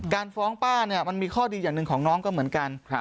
การฟ้องป้าเนี่ยมันมีข้อดีอย่างหนึ่งของน้องก็เหมือนกัน